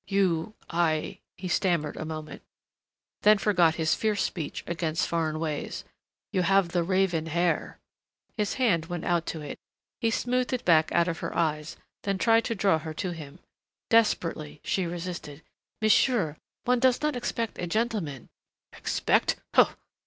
You I " He stammered a moment, then forgot his fierce speech against foreign ways. "You have the raven hair " His hand went out to it. He smoothed it back out of her eyes, then tried to draw her to him. Desperately she resisted. "Monsieur, one does not expect a gentleman " "Expect!